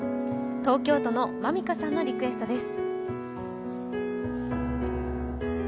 東京都のまみかさんのリクエストです。